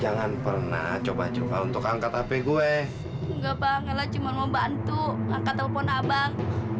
jangan pernah coba coba untuk angkat hp gue enggak banget cuma mau bantu angkat telepon abang